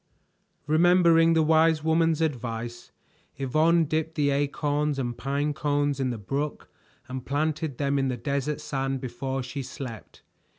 Remembering the wise woman's advice, Yvonne dipped the acorns and pine cones in the brook and planted them in the desert sand before she slept.